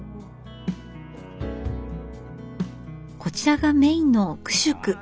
こちらがメインのクシュク。